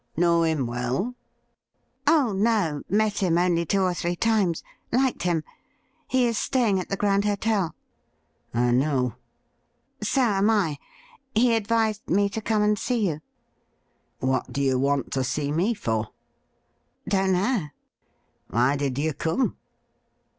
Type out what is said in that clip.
' Know him well .!"' Oh no ; met him only two or thi ee times ; liked him. He is staying at the Grand Hotel.' ' I know.' ' So am I. He advised me to come and see you.' ' What do you want to see me for ?'' Don't know.' ' Why did you come